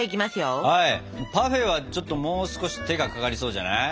パフェはちょっともう少し手がかかりそうじゃない？